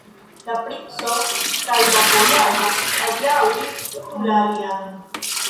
La princo kaj la bojaro adiaŭis unu la alian.